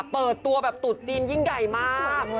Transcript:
เปิดตัวแบบตุ๊ดจีนยิ่งใหญ่มาก